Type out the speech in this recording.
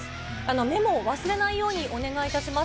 メモを忘れないようにお願いいたします。